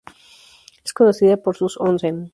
Es conocida por sus onsen.